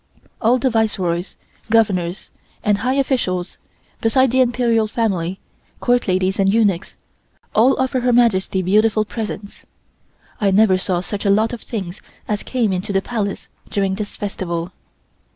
All the Viceroys, Governors and high officials, besides the Imperial Family, Court ladies and eunuchs, all offer Her Majesty beautiful presents. I never saw such a lot of things as came into the Palace during this festival.